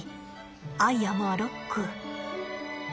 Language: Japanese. アイアムアロック。